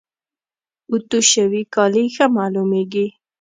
اوتو شوي کالي ښه معلوميږي.